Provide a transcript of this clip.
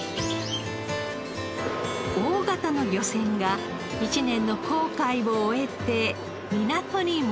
大型の漁船が一年の航海を終えて港に戻ってきました。